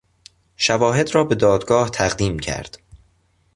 شواهد را به دادگاه تقدیم کرد.